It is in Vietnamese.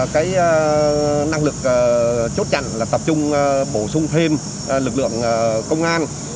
cái năng lực chốt chặn là tập trung bổ sung thêm lực lượng công an